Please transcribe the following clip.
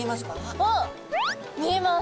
あっ見えます！